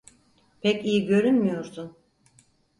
Pek iyi görünmüyorsun.